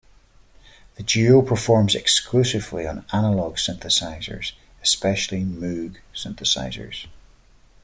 The duo performs exclusively on analog synthesizers, especially Moog synthesizers.